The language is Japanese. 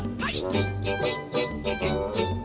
「キッキキッキッキキッキッキ」